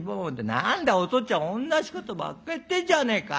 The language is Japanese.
「何だよおとっつぁんおんなしことばっか言ってんじゃねえか。